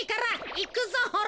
いくぞほら。